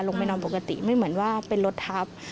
ลงไปนอนปกติไม่เหมือนว่าเป็นรถทับ